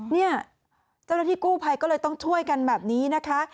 เนี่ยเจ้าหน้าที่กู้ภัยก็เลยต้องช่วยกันแบบนี้นะคะ